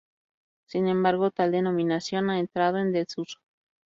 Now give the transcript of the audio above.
Sin embargo, tal denominación ha entrado en desuso.